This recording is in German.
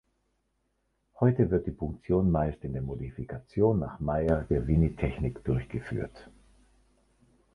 Heute wird die Punktion meist in der Modifikation nach "Meier" der "Winnie"-Technik durchgeführt.